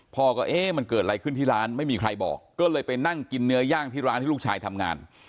พ่อก็เอ๊ะมันเกิดอะไรขึ้นที่ร้านไม่มีใครบอกก็เลยไปนั่งกินเนื้อย่างที่ร้านที่ลูกชายทำงาน